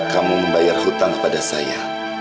kamu membayar hutang pada saya